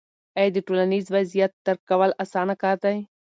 آیا د ټولنیز وضعیت درک کول اسانه کار دی؟